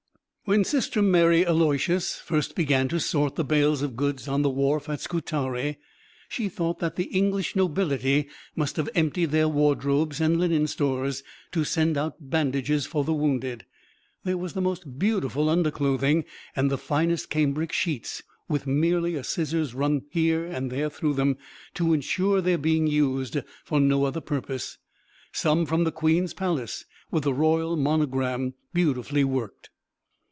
When Sister Mary Aloysius first began to sort the bales of goods on the wharf at Scutari, she thought that "the English nobility must have emptied their wardrobes and linen stores, to send out bandages for the wounded. There was the most beautiful underclothing, and the finest cambric sheets, with merely a scissors run here and there through them, to insure their being used for no other purpose, some from the Queen's palace, with the royal monogram beautifully worked."